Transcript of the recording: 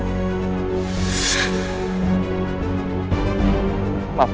aku akan menangkapmu